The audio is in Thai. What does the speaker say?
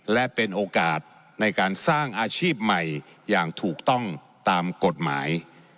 และเป็นโอกาสในการสร้างอาชีพใหม่อย่างถูกต้องตามกฎหมาย